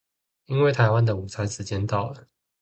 因為台灣的午餐時間到了